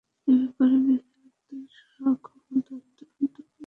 এ ব্যাপারে বিচারকদের ক্ষমতা অত্যন্ত ব্যাপক।